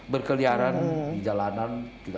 berkeliaran di jalanan